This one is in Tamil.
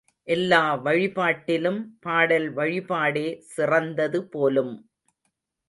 எல்லா வழிபாட்டிலும் பாடல் வழிபாடே சிறந்தது போலும்!